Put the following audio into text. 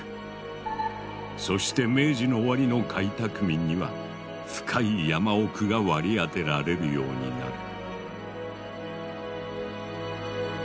そして明治の終わりの開拓民には深い山奥が割り当てられるようになる。